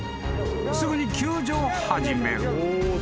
［すぐに救助を始める］